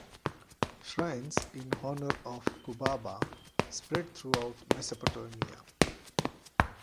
Shrines in honour of Kubaba spread throughout Mesopotamia.